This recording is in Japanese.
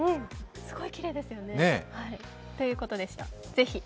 すごいきれいですよね、ということでした、ぜひ。